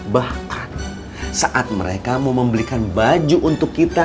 bahkan saat mereka mau membelikan baju untuk kita